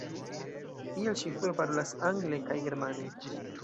Tiel ŝi flue parolas angle kaj germane.